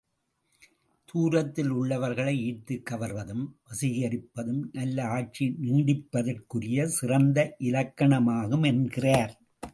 தூரத்தில் உள்ளவர்களை ஈர்த்துக் கவர்வதும், வசீகரிப்பதும் நல்ல ஆட்சி நீடிப்பதற்குரிய சிறந்த இலக்கணமாகும் என்கிறார்.